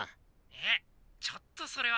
・えっちょっとそれは。